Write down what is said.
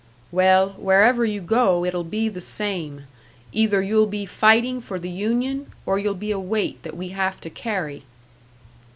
"Well, wherever you go, it'll be the same; either you'll be fighting for the union, or you'll be a weight that we have to carry."